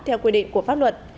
theo quy định của pháp luật